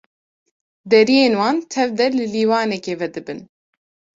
Deriyên wan tev de li lîwanekê vedibin.